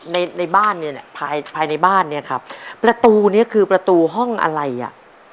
ในในบ้านเนี้ยเนี้ยภายภายในบ้านเนี้ยครับประตูเนี้ยคือประตูห้องอะไรอ่ะ